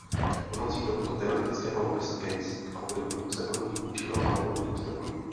Pomocí tohoto teoretického „best case“ algoritmu se hodnotí účinnost algoritmů ostatních.